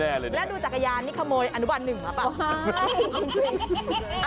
แล้วดูจักรยานนี่ขโมยอนุบันหนึ่งปะ